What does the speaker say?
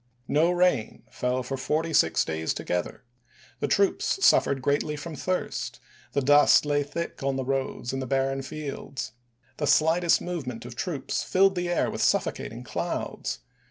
No rain fell for forty six days together; the troops suffered greatly from thirst ; the dust lay thick on the roads and the barren fields. The slightest movement of troops filled the air with suffocating clouds.